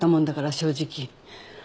正直。